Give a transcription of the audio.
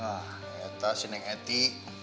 ah eta si neng eti